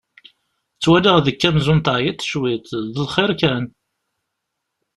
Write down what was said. Ttwaliɣ deg-k amzun teɛyiḍ cwiṭ! D lxir kan?